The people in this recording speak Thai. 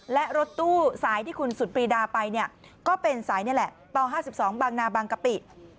และรถตู้สายที่คุณสุดปรีดาไปเนี่ยก็เป็นสายนี่แหละป๕๒บางนาบางกะปิ